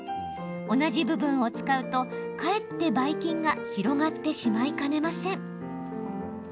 同じ部分を使うとかえって、ばい菌が広がってしまいかねません。